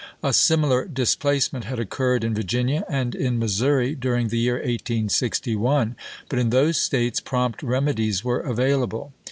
A similar displacement had occurred in Virginia and in Missouri during the year 1861, but in those States prompt remedies were available.